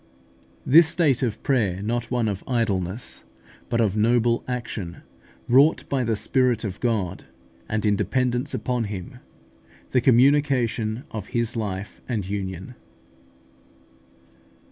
THIS STATE OF PRAYER NOT ONE OF IDLENESS, BUT OF NOBLE ACTION, WROUGHT BY THE SPIRIT OF GOD, AND IN DEPENDENCE UPON HIM THE COMMUNICATION OF HIS LIFE AND UNION.